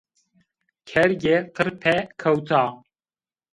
Kerge qirpe kewta